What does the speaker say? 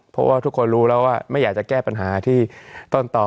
เพราะว่าทุกคนรู้แล้วว่าไม่อยากจะแก้ปัญหาที่ต้นต่อ